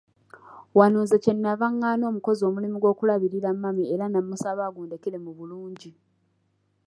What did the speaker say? Wano nze kye nnava ngaana omukozi omulimu gw'okulabirira mami era namusaba agundekere mu bulungi.